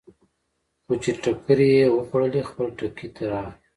خو چې ټکرې یې وخوړلې، خپل ټکي ته راغی.